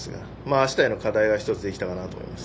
あしたへの課題が１つ、できたかなと思います。